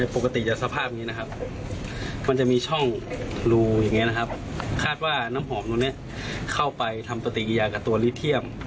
ปกติสภาพนี้นะครับมันจะมีช่องรูอย่างนี้นะครับคาดว่าน้ำหอมตรงนี้เข้าไปทำปฏิกิยากับตัวลีเทียม